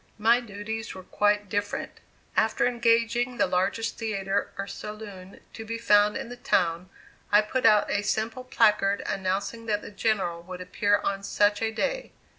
My duties were quite different; after engaging the largest theatre or saloon to be found in the town, I put out a simple placard, announcing that the General would appear on such a day.